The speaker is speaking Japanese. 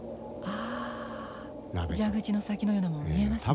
ああ蛇口の先のようなもの見えますね。